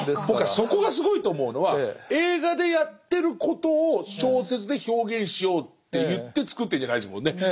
僕はそこがすごいと思うのは映画でやってることを小説で表現しようっていって作ってんじゃないですもんね。